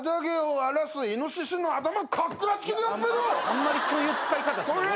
あんまりそういう使い方。